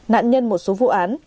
nạn nhân một số vụ án